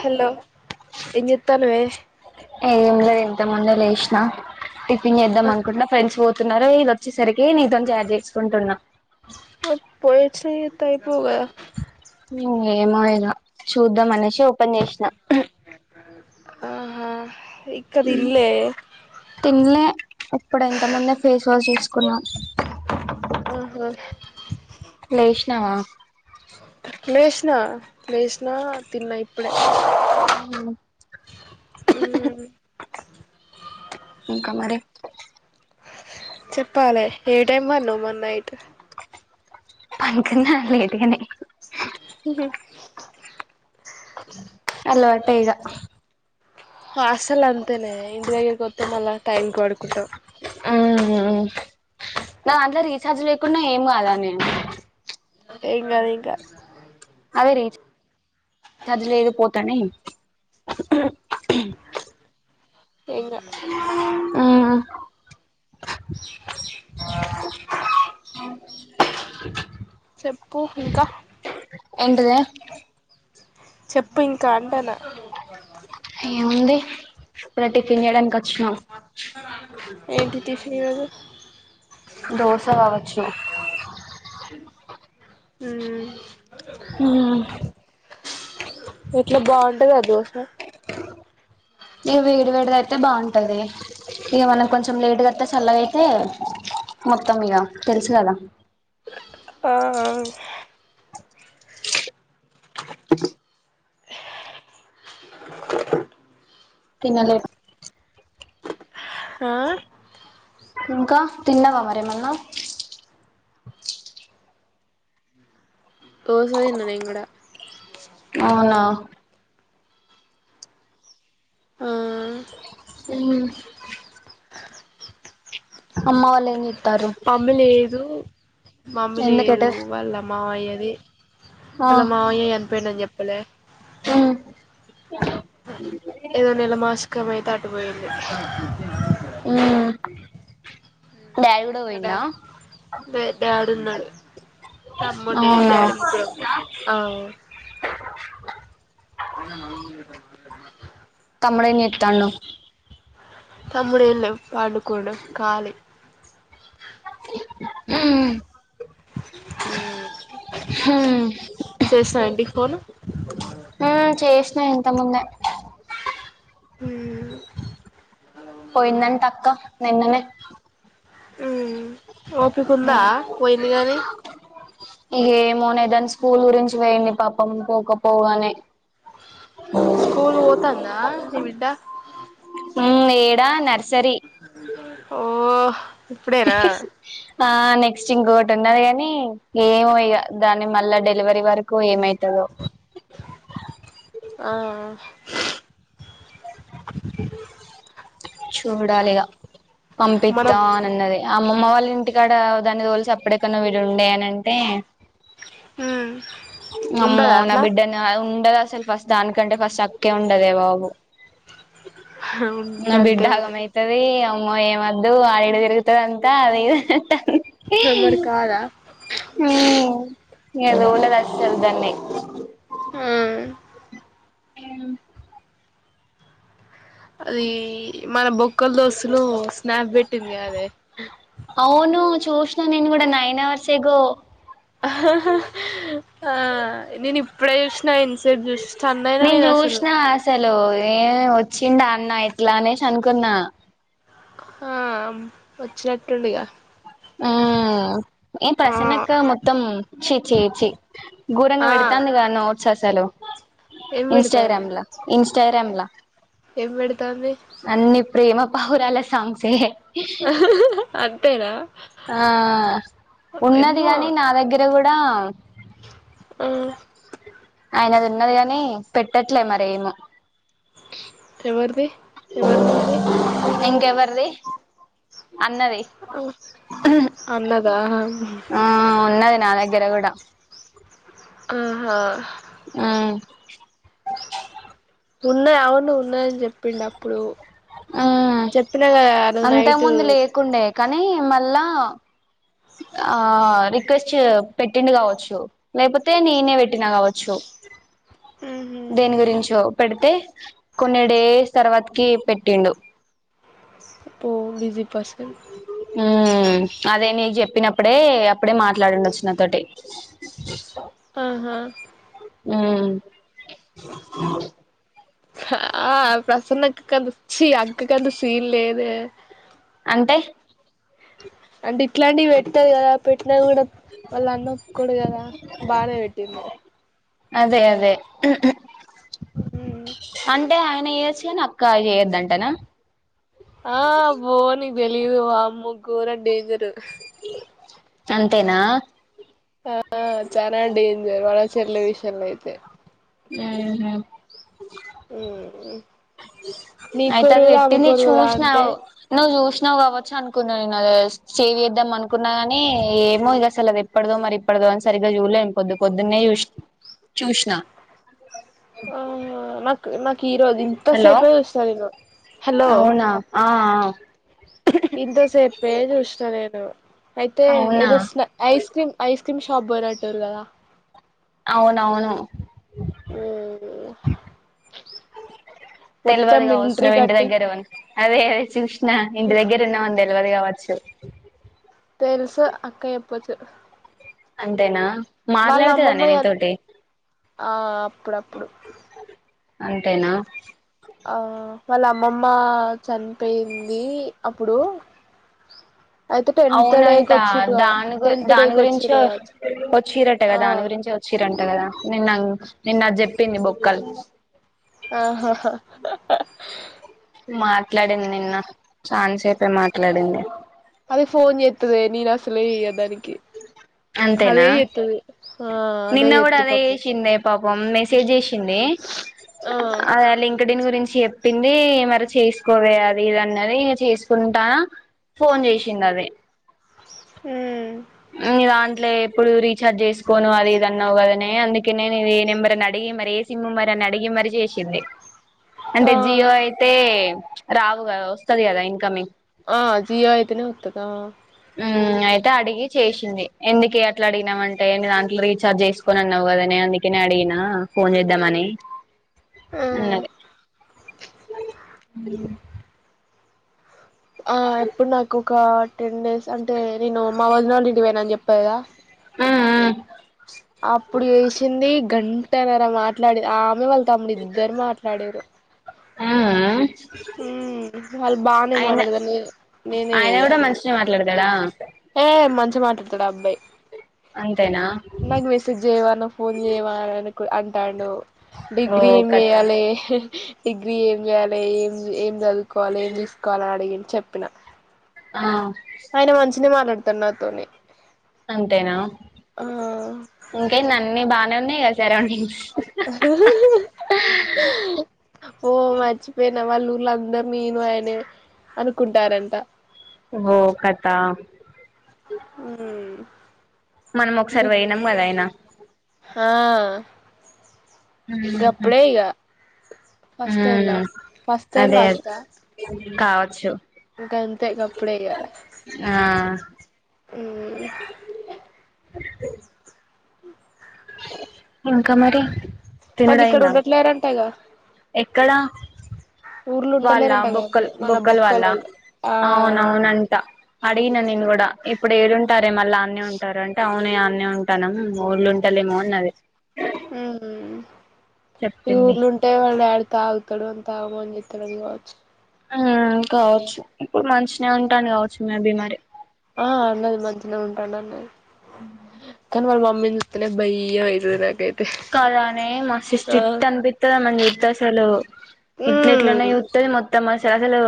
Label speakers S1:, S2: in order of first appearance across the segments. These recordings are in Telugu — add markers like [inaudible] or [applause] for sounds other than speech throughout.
S1: హలో ఎం చేతనవే
S2: ఏం లేదు ఇంత ముందే లేసినా టిఫిన్ చేద్దాం అనుకుంటన్నా ఫ్రెండ్స్ పో తున్నారు ఇళ్ళూ వచ్చేసరికి నీతో చాట్ చేసుకుంటున్నా
S1: పోయిచ్చి నా చేత్తే అయిపోకదా
S2: మ్ ఏమో ఏనా చూద్దాం అనేసి ఓపెన్ చేసినా
S1: ఆహా ఇక్కడ
S2: మ్
S1: ఇల్లే
S2: తిన్లే ఇప్పుడు ఇంత ముందే ఫేస్ వాష్ తీసుకున్నాం
S1: ఆహా
S2: తినవా
S1: లేేష్నా లేేష్నా తిన్న ఇప్పుడే
S2: మ్
S1: మ్
S2: ఇంకా మరి
S1: చెప్పాలి ఏ టైమ్ పన్నావ్ మొన్న నైట్
S2: పన్ కున్నా లేట్ గనే
S1: మ్ హు
S2: అలవాటే ఇగ
S1: హాస్టల్ అంతేనే ఇంటి దగ్గరికి వొత్తే మళ్ళ టైంకి పడుకుంటాం
S2: ఉమ్ నా దాంట్లో రీఛార్జ్ లేకుండా ఏం కాదానే
S1: ఏం కాదు ఏం కా
S2: అదే రీచా రీచార్జ్ లేదు పోతానే
S1: ఇంగ
S2: ఆ
S1: చెప్పు ఇంకా
S2: ఏంటిదే
S1: చెప్పు ఇంకా అంటనా
S2: ఏముంది ఇప్పుడే టిఫిన్ చేయడానికి వ
S1: ఏంటి టిఫిన్ ఈ రోజు
S2: దోశ కావచ్చు
S1: ఉ ఇట్లా బాగుంటది దోసనా
S2: ఇక వేడి వేడిది అయితే బాగుంటది ఇక మనం కొంచెం లేట్గా మత్త చల్లగయితే మొత్తం ఇగ తెలుసు కదా
S1: ఆ ఆ
S2: తినలేం
S1: ఆ
S2: ఇంకా తిన్నావా మరేమన్నా
S1: దోసదిన్న నేను కూడా
S2: అవునా
S1: ఆ
S2: అమ్మ వాళ్ళు ఎం చేత్
S1: మమ్మీ లేదు మమ్మీ లేదు
S2: ఎందుకటే
S1: వాళ్ళ మామయ్యది
S2: ఆ
S1: అళ్లా మామయ్య చనిపోయిండని చెప్పలే
S2: ఉమ్
S1: ఏదోన్నెల మాషికమైతే అటు పోయింది
S2: ఉమ్ డాడీ కూడా
S1: కద
S2: పోయిండా
S1: పెద్ద యాడున్నాడో తమ్ముడు నేను
S2: అవునా
S1: డాడీ ముగ్గురం [inaudible] ఆ అ మా
S2: తమ్ముడు ఏం చెత్తండు
S1: తమ్ముడు ఏం లే పండుకుండు ఖాళీ
S2: ఊమ్
S1: మ్ చేసిన ఎంటి ఫోను ఆ
S2: ఆ చేసిన ఇంత ముందే
S1: మ్మ్
S2: పోయిందంట అక్క నిన్ననే
S1: మ్మ్ ఓపికుందా పోయింది గాని
S2: ఈ ఏమోనే దాని స్కూల్ గురించి పొయ్యింది పాపం పోకపోగానే
S1: స్కూల్ పోతందా నీ బిడ్డ
S2: ఉంది ఈడ నర్సరీ
S1: ఓ ఇప్పుడేనా
S2: ఆ నెక్స్ట్ ఇంకొకటి ఉన్నది గానీ ఏమో ఇగ దాని మళ్ళా డెలివరీ వరకు ఏమై
S1: ఆ
S2: చూడాలిగా పంపిత్తా
S1: మన
S2: అని అన్నది అమ్మమ్మ వాళ్ళ ఇంటికాడ దాని తోలి సప్పుడేకా నువ్వు ఉండే అని అంటే
S1: హ్మ్
S2: అమ్మో
S1: ఉండదా
S2: నా
S1: అట్లా
S2: బిడ్డనా ఉండదు అసలు ఫస్ట్ దానికంటే ఫస్ట్ అక్కే ఉండదే బాబు నా
S1: గంతే
S2: బిడ్డాగ
S1: మరి
S2: మైతది అ అమ్మో ఏమద్దు ఆడీడ తిరుగుతాదంతా అదే
S1: తమరు కాదా
S2: ఎదోల అస్సలు దన్నే
S1: ఆ
S2: ఆ
S1: అదీ మన బొక్ క్కల దోశలు స్నాప్ పెట్టింది కాదే
S2: అవును చూసిన నేను కూడ నైన్ అవర్స్ ఏగో
S1: ఆ నేను ఇప్ ఇప్పుడే చూసినా ఇంతసేపు చూసి స్టన్నయినా నేను అసలు
S2: లో ఏ వచ్చిం డాన్న ఎట్లానేసనుకున్నా
S1: ఆ వచ్చినట్టుండుగా
S2: ఊ ఏం ప్రసనక్క మొత్తం ఛీ చీ చీ ఘూరంగా
S1: ఆ
S2: పెడతాంది కా నోట్సాసలు
S1: ఏం పెడతాంది
S2: ఇన్స్టాగ్రామ్లా ఇన్స్టాగ్రామ్లా
S1: ఏం పెడతాంది
S2: అన్ని ప్రేమ బహరాల సాంగ్స్ ఎ
S1: అంతేనా
S2: ఆ ఉన్నది గాని నా దగ్గర కూడా
S1: మ్మ్
S2: ఆయనది ఉన్నది గాని పెట్టట్లే మరి ఏమో
S1: ఎవరిది ఎవరిది ఉంది
S2: ఎవరిది అన్నది
S1: అన్నదా
S2: ఆ ఉన్నది నా దగ్గర కూడా
S1: ఆహా
S2: ఉమ్మ్
S1: ఉన్నాది అవును ఉన్నదని చెప్పిండు అప్పుడు
S2: మ్మ్
S1: చెప్పినా కదా నువ్వు
S2: అంతకు
S1: నైటు
S2: ముందు లేకుండే కానీ మళ్ళా ఆ రిక్వెస్ట్ పెట్టిండు కావచ్చు లేకపోతే నేనే పెట్టినా కావచ్చు దేని గురించో పెడితే కొన్ని డేస్ తర్వాతకి పెట్టిండు
S1: పో బిజీ పర్సన్
S2: ఉమ్మ్ అదే నీకు చెప్పినప్పుడే అప్పుడే మాట్లాడిండు వచ్చిన నాతోటి
S1: ఆహా
S2: ఉమ్మ్
S1: ఆ ప్రసన్న అక్క కంత చ్చి అక్క కంత సీన్ లేదే
S2: అంటే
S1: అంటే ఇట్లాంటివి పెట్టాదు కదా పె ట్టిన కూడా వాళ్ళు అన్న ఒప్పుకోడు కదా బానే పెట్టింది
S2: అదే అదే అంటే ఆయన ఏజ్ తేనా అక్కా చేయద్దంటనా
S1: ఆ పోనీ తెలిదు వామ్మో గోర డేంజరు
S2: అంతేనా
S1: ఆ చానా డేంజర్ వాళ్ళ చెల్లి విషయంలో అయితే
S2: మ్మ్ఉహ్మ్
S1: ఉమ్మ్
S2: అయితే అది పెట్టింది
S1: అంటే
S2: చూసినావ్ నువ్వు చూసి నావు కావచ్చు అనుకున్నా నేను అది సేవ్ చేద్దాం అనుకున్నా గాని ఏమో ఇగ అసలు అది ఎప్పుడుదో మరి ఇప్పుడుదో సరిగా చూడలే నేను పొద్దుపొద్దున్నే చూసిన చూసిన
S1: ఆహ నాకు నాకు ఈరోజు ఇంత
S2: హలో
S1: సేపే చూసిన నేను హలో
S2: అవునా ఆఆ
S1: ఇంతసేపే చూసినా నేను అయితే
S2: అవునా
S1: ఏదో ఐస్ క్రీమ్ ఐస్ క్రీమ్ షాప్కి పోయినట్టుర్రు కదా ష
S2: అవునవును
S1: మొత్తం
S2: తెలివదు కావచ్చు
S1: మిలిటరీ
S2: నువ్వు ఇంటి
S1: కట్టి
S2: దగ్గరే అదే అదే చూసిన ఇంటి దగ్గర ఉన్నావని తెలువదు కావచ్చు
S1: తెలుసు అక్క చెప్పొచ్చు
S2: అంతేనా
S1: వాళ్ళ
S2: మాట్లాడుతదా నే
S1: అమ్మమ్మయ
S2: నీతోటి
S1: ఆ అప్పుడప్పుడు
S2: అంటేనా
S1: ఆ వాళ్ళ అమ్మమ్మ చనిపోయింది అప్పుడు అయితే టెన్త్ డేకి
S2: అవునంట
S1: వచ్చిరు
S2: దాని గు
S1: టెన్త్
S2: దాని
S1: డేకి
S2: గురించి
S1: వచ్చిరు కావచ్చు
S2: వచ్చిరటగా
S1: ఆ
S2: దాని గురించి వచ్చిర అంట కదా నిన్న నిన్న అది చెప్పింది బొక్కల్
S1: ఆహా ఆహా [unintelligible]
S2: మాట్లాడింది నిన్న చాన్సేపే మాట్లాడింది.
S1: అది ఫోన్ చేస్తది. నేను అసలుకే చెయ్య దానికి. అదే
S2: అంతేనా
S1: చేతది ఆ అదే చేతది పాపం.
S2: వన్ మెసేజ్ చేసింది ఆ లింక్డ్ని గురించి. చెప్పింది మరి చేసుకోవే. అది ఇది అన్నది చేసుకుంటా. ఫోన్ చేసింది అది. నీ దాంట్లో ఎప్పుడు రీచార్జ్ చేసుకోను అది ఇది అన్నావు కదని అందుకే నే ఇ ఏ నెంబర్ అని అడిగి మరి ఏ సిమ్. దాన్ని అడిగి మరి చేసింది. అంటే
S1: ఆ
S2: జియో అయితే రావు కదా. వస్తుంది కదా ఇన్కమింగ్.
S1: ఆ జియో అయితేనే వస్తదా.
S2: హ్మ్ అయితే అడిగి చేసింది ఎందుకె అట్లా అడిగినవంటే అంటే న దాంట్లో రీచార్జ్ చేసుకోనన్నావ్ కదనే. అందుకనే అడిగినా ఫోన్ చేద్దామని అన్నది. హ్మ్
S1: ఆ ఎప్పుడు నాకు ఒక టెన్ డేస్ అంటే నేను మా వదినోళ్ళు ఇంటి పోనా అని చెప్పలేదా.
S2: ఆ, ఆ
S1: అప్పుడు చేసింది. గంటన్నర మాట్లాడే ఆమె వాళ్ళు తమ్ముడు ఇద్దరు మాట్లాడారు.
S2: ఆ, ఆ
S1: హ్మ్ వాళ్ళు బానే మాట్లాడతారు నేనే
S2: ఆయన
S1: చెయ్య.
S2: కూడా మంచినే మాట్లాడతాడా.
S1: హే ఏ మంచిగా మాట్లాడతాడు ఆ అబ్బాయి.
S2: అంతేనా
S1: నాకు మెసేజ్ చేయవా. నా ఫోన్ చేయవాని [unintelligible] అంటుండు.
S2: ఓ
S1: డిగ్రీ ఏమి
S2: కథ
S1: చేయాలి. డిగ్రీ ఏం చేయాలి ఏం ఏం చదువుకోవాలి ఏం తీసుకోవాలని అడిగి చెప్పిన.
S2: ఆ
S1: ఆయన మంచిన మాట్లాడతాడు నాతోని.
S2: అంతేనా,
S1: ఆ
S2: ఇంకైంద అన్ని బానే ఉన్నాయి కదా సరౌండింగ్స్.
S1: [inaudible] ఓ మర్చిపోయిన వాళ్ళ ఊర్లో అందరూ నేను ఆయనే. అనుకుంటారంట.
S2: ఓ కథా. ఒకసారి
S1: హ్మ్
S2: పోయినాం కదా ఆయన
S1: హా గప్పుడే ఇగ.
S2: హ
S1: ఫస్ట్ అండ్ లాస్ట్ ఫస్ట్
S2: అదే అదే కావచ్చు.
S1: గంతే గప్పుడే ఇగ
S2: ఆ
S1: హమ్.
S2: [inaudible] ఇంకా మరి.
S1: వాళ్ళు ఇక్కడ ఉండట్లేరంటాగా.
S2: ఎక్కడ వాళ్ళా
S1: ఉంటలేరంట కదా
S2: బొక్కల్
S1: మన
S2: బొక్కల్ వాళ్ల్ళా.
S1: బొక్కలోళ్ళు ఆ
S2: అవునవునంట అడిగిన నేను కూడా ఇప్పుడు ఏరు ఉంటారే మళ్ళా అన్న ఉంటారు. అంటే అవును. అనే ఉంటానం ఊళ్ళు ఉంటాలేమో అన్నది.
S1: ఉహ్మ్ ఈ
S2: చెప్పింది
S1: ఊర్లు ఉంటే వాళ్ళు డాడ్. తాగుతాడు అంత ఆగం ఆగం చెతాడు కాచ్చు.
S2: ఆ కావచ్చు ఇప్పుడు మంచిన ఉంటాను కావచ్చు మేబీ మరి.
S1: ఆ అన్నది మంచినే ఉంటాను అన్నది మమ్మీనీ భయం అయితది నాకే
S2: కాదానే మస్తు స్ట్రిక్ట్ అనిపిత్తది ఆమె నీ చూస్తే అసలు ఇట్ల ఎట్లానో
S1: ఉమ్
S2: చూత్తది మొత్తం అస అసలు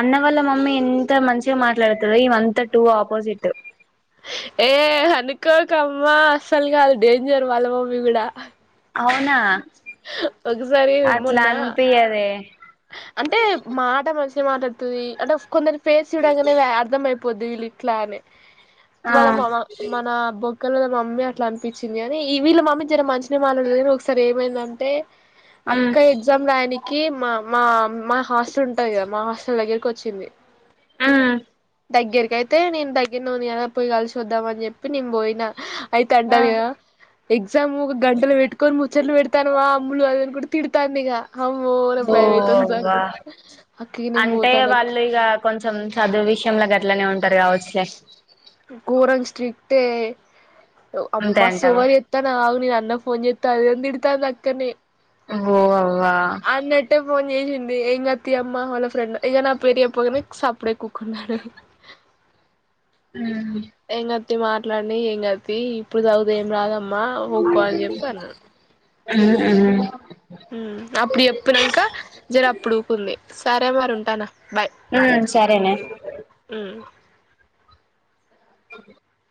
S2: అన్న వాళ్ళ మమ్మీ ఎంత మంచిగా మాట్లాడుదదో ఈమె అంత టూ ఆపోజిట్.
S1: అమ్మా అస్సలు కాదు డేంజర్ వాళ్ళ మమ్మీ కూడా.
S2: అవునా
S1: ఒకసారి
S2: అట్లా
S1: మొన్న
S2: అనిపియ్యదే
S1: అంటే మాట మంచినే మాట్లాడుతది అంటే కొందరు ఫేస్ చూడాంగానే అర్థం అయి. పొద్దు వీళ్ళు ఇట్లా అనే
S2: ఆ
S1: వాళ మ మన బొ క్కల మమ్మీ అట్లా అనిపించింది కా, ఈ వీళ్ళ మమ్మీ జర మంచినే మాట్లాడదు కాని ఒకసారి ఏమైందంటే.
S2: మ్
S1: అక్క ఎగ్జామ్ రాయనికి మా మా మా హాస్టల్ ఉంటయి కదా మా హాస్టల్ దగ్గరకి వచ్చింది
S2: ఉమ్
S1: దగ్గరకయితే నేను దగ్గర నూనె కదా పోయి కలిసి వద్దాం అని చెప్పి నేను పోయినా. అయితే
S2: ఆ
S1: అంటంది కదా ఎగ్జామ్ ఒక గంటలు పెట్టుకొని ముచ్చట్లు పెడతానువా. అమ్ములు అది ఇది అనుకుంట తిడతాంది ఇంగ
S2: ఓ అంటే
S1: పోతాను అక్క
S2: వాళ్ళు ఇగ కొంచెం చదువు విషయంలో గట్లనే ఉన్. టార్ కావొచ్చు లే
S1: ఆమ్ మస్తు
S2: అంటావా
S1: ఓవర్ చెత్తనావ్ ఆగు నేన్ అన్న ఫోన్ చె అదే తిడతాంది అక్కని
S2: ఓ అవ్వా
S1: అన్నట్టే ఫోన్ చేసిన్ ఎంగ్ కాద్ తీ అమ్మ వాళ్ళ ఫ్రెండ్ ఇగ నా పేరు చెప్పగనే సప్పుడే కూకున్నాడు
S2: హుమ్
S1: తీ మాట్లాడిని ఏం కాడ్ తీ ఇప్పుడు చదివితే ఏం రాదమ్మా ఊకో అని చెప్పి అన్నా.
S2: హు హ్మ్
S1: అప్పుడు చెప్పినాంక జర అప్పుడు ఉకుంది సరే మరి ఉంటానా.
S2: హు సరేనే
S1: బాయ్